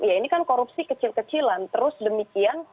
ya ini kan korupsi kecil kecilan terus demikian